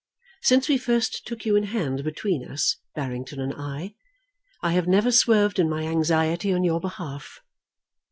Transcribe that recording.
Since we first took you in hand between us, Barrington and I, I have never swerved in my anxiety on your behalf.